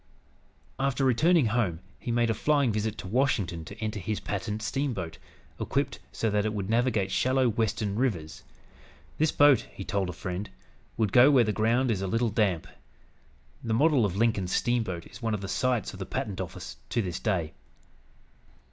After returning home he made a flying visit to Washington to enter his patent steamboat, equipped so that it would navigate shallow western rivers. This boat, he told a friend, "would go where the ground is a little damp." The model of Lincoln's steamboat is one of the sights of the Patent Office to this day.